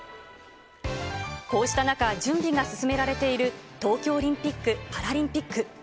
こうした中、準備が進められている東京オリンピック・パラリンピック。